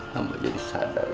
hamba jadi sadar